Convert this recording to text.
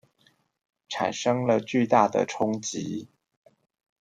產生了巨大的衝擊